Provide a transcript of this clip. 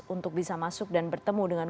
untuk bisa masuk dan bertemu dengan